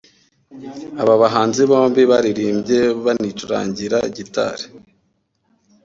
Aba bahanzi bombi baririmbye banicurangira gitari